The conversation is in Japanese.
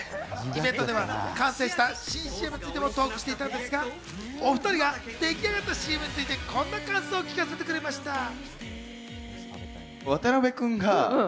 イベントでは完成した新ＣＭについてもトークしていたんですが、お２人が出来上がったＣＭについてこんな感想を聞かせてくれました。